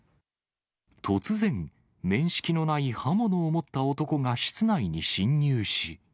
突然、面識のない刃物を持った男が室内に侵入し。